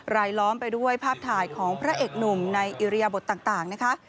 ล้อมไปด้วยภาพถ่ายของพระเอกหนุ่มในอิริยบทต่างนะคะ